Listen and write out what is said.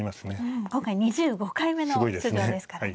うん今回２５回目の出場ですからね。